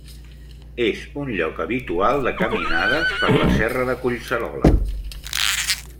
És un lloc habitual de caminades per la Serra de Collserola.